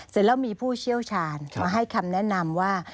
เสร็จแล้วมีผู้เชี่ยวชาญมาให้คำแนะนำว่า